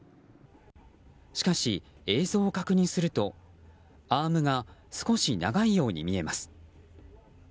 しかし、映像を確認するとアームが少し長いように見えます。